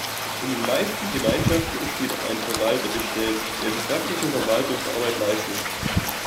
In den meisten Gemeinschaften ist jedoch ein Verwalter bestellt, der die praktische Verwaltungsarbeit leistet.